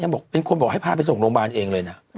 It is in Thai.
มันบอกให้พาไปโรงพยาบาลที่เองเลยน่ะ